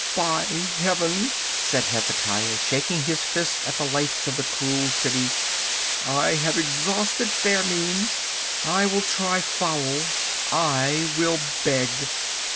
"By Heaven!" said Hezekiah, shaking his fist at the lights of the cruel city, "I have exhausted fair means, I will try foul. I will beg.